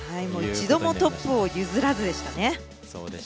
一度もトップを譲らずでした。